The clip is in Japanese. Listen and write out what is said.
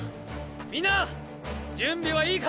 みんな準備はいいか？